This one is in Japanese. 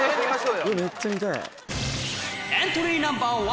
めっちゃ見たい。